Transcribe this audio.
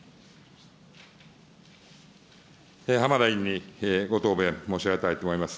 浜田委員にご答弁申し上げたいと思います。